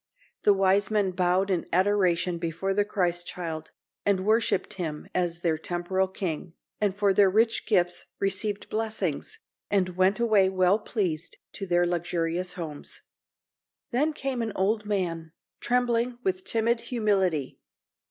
The wise men bowed in adoration before the Christ child and worshiped him as their temporal king, and for their rich gifts received blessings, and went away well pleased to their luxurious homes. Then came an old man, trembling with timid humility.